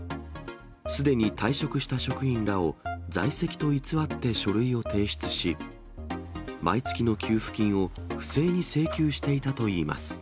すでに退職した職員らを在籍と偽って書類を提出し、毎月の給付金を不正に請求していたといいます。